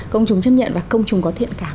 công chúng chấp nhận và công chúng có thiện cảm